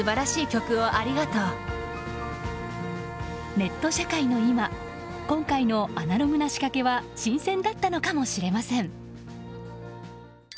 ネット社会の今今回のアナログな仕掛けは新鮮だったのかもしれません。